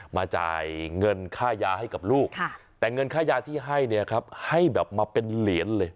มาจ่ายเงินค่ายาให้กับลูกแต่เงินค่ายาที่ให้เนี่ยครับให้แบบมาเป็นเหรียญเลย